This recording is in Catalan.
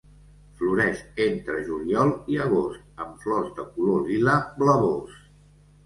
Floreix entre juliol i agost, amb flors de color lila blavós.